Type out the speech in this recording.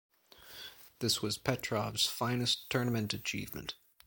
This was Petrovs' finest tournament achievement.